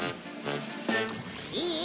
いい？